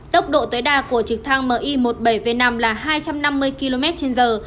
tốc độ tối đa của trực thăng mi một mươi bảy v năm là hai trăm năm mươi km trên giờ